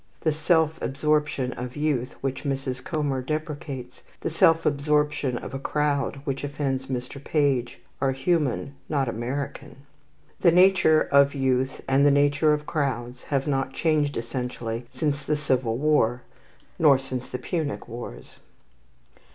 The self absorption of youth which Mrs. Comer deprecates, the self absorption of a crowd which offends Mr. Page, are human, not American. The nature of youth and the nature of crowds have not changed essentially since the Civil War, nor since the Punic Wars.